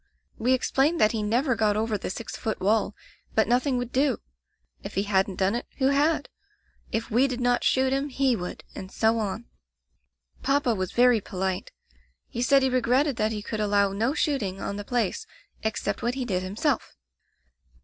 We explained that he never got over the six foot wall, but nothing would do. If he hadn't done it, who had ? If we did not shoot him, he would, and so on. Digitized by LjOOQ IC Interventions "Papa was very polite. He said he re gretted that he could allow no shooting on the place except what he did himself.